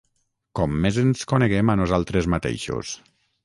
com més ens coneguem a nosaltres mateixos